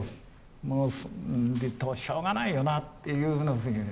もうしょうがないよなっていうふうに。